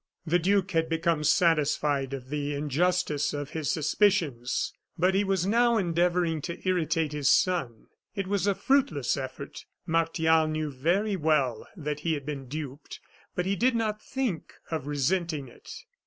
The duke had become satisfied of the injustice of his suspicions; but he was now endeavoring to irritate his son. It was a fruitless effort. Martial knew very well that he had been duped, but he did not think of resenting it.